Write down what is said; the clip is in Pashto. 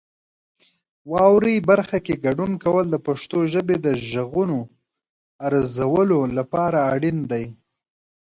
واورئ برخه کې ګډون کول د پښتو ژبې د غږونو ارزولو لپاره اړین دي.